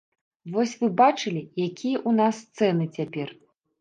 Вось вы бачылі, якія ў нас цэны цяпер?